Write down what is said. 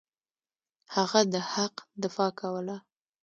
هغه د حق دفاع کوله.